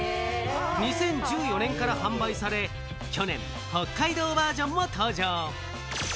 ２０１４年から販売され、去年、北海道バージョンも登場。